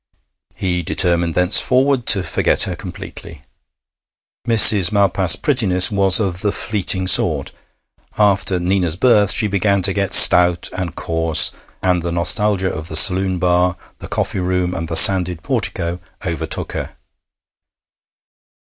He determined thenceforward to forget her completely. Mrs. Malpas's prettiness was of the fleeting sort. After Nina's birth she began to get stout and coarse, and the nostalgia of the saloon bar, the coffee room, and the sanded portico overtook her.